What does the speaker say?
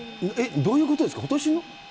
どういうことですか。